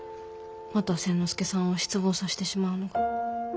また千之助さんを失望さしてしまうのが。